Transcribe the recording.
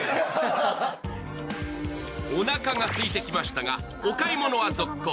おなかがすいてきましたがお買い物は続行。